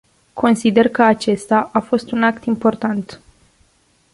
Consider că acesta a fost un act important.